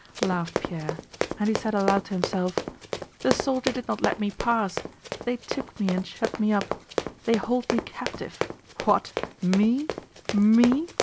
laughed Pierre. And he said aloud to himself: "The soldier did not let me pass. They took me and shut me up. They hold me captive. What, me? Me?